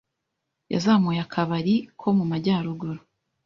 yazamuye akabari ko mu majyaruguru